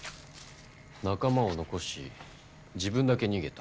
仲間を残し自分だけ逃げた。